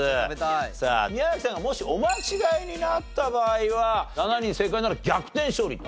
さあ宮崎さんがもしお間違いになった場合は７人正解なら逆転勝利と。